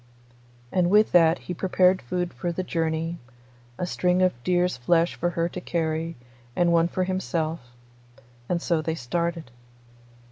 And with that he prepared food for the journey, a string of deer's flesh for her to carry, and one for himself; and so they started.